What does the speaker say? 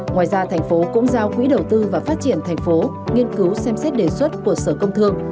ngoài ra tp hcm cũng giao quỹ đầu tư và phát triển tp hcm nghiên cứu xem xét đề xuất của sở công thương